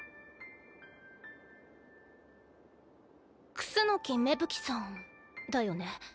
楠芽吹さんだよね？